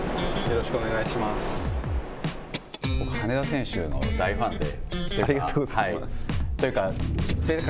僕、羽根田選手の大ファンで。